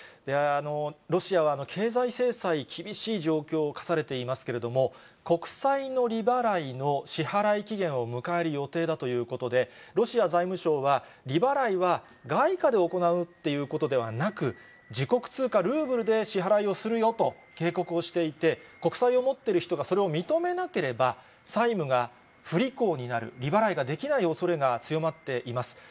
ロシアは経済制裁、厳しい状況科されていますけれども、国債の利払いの支払い期限を迎える予定だということで、ロシア財務省は、利払いは外貨で行うということではなく、自国通貨、ルーブルで支払いをするよと、警告をしていて、国債を持っている人がそれを認めなければ、債務が不履行になる、利払いができないおそれが強まっています。